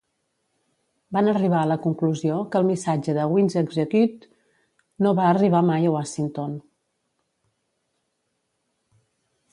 Van arribar a la conclusió que el missatge de "winds execute" no va arribar mai a Washington.